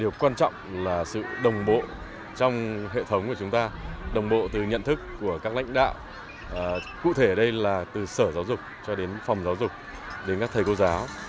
điều quan trọng là sự đồng bộ trong hệ thống của chúng ta đồng bộ từ nhận thức của các lãnh đạo cụ thể đây là từ sở giáo dục cho đến phòng giáo dục đến các thầy cô giáo